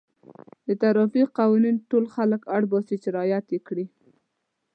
د ټرافیک قوانین ټول خلک اړ باسي چې رعایت یې کړي.